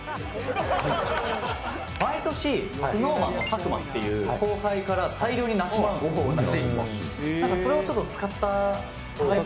「毎年ＳｎｏｗＭａｎの佐久間っていう後輩から大量に梨もらうんですよ梨」